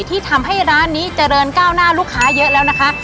ที่ทำให้ร้านนี้เจริญก้าวหน้าลูกค้าเยอะแล้วนะคะ